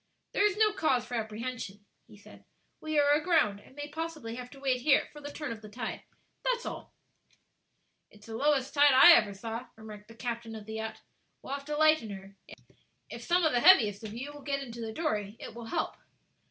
"There is no cause for apprehension," he said; "we are aground, and may possibly have to wait here for the turn of the tide; that's all." "It's the lowest tide I ever saw," remarked the captain of the yacht; "we'll have to lighten her; if some of the heaviest of you will get into the dory, it will help."